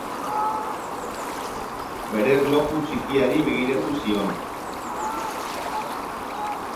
Bere erloju txikiari begiratu zion.